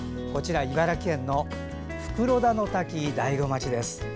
茨城県の袋田の滝、大子町です。